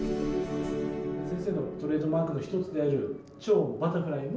先生のトレードマークの一つである蝶バタフライも。